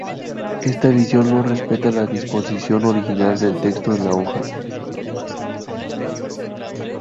Esta edición no respeta la disposición original del texto en la hoja.